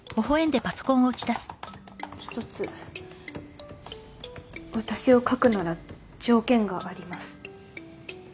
１つ私を書くなら条件があります